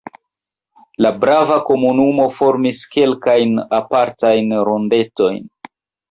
La brava komunumo formis kelkajn apartajn rondetojn.